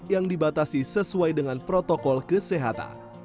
yang dibatasi sesuai dengan protokol kesehatan